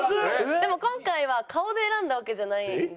でも今回は顔で選んだわけじゃないので。